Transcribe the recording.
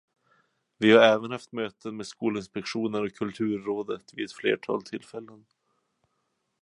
Vi har även haft möten med Skolinspektionen och Kulturrådet vid ett flertal tillfällen.